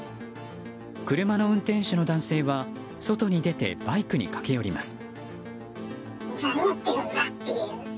車の運転手の男性は外に出てバイクに駆け寄ります。